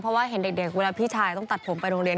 เพราะว่าเห็นเด็กเวลาพี่ชายต้องตัดผมไปโรงเรียน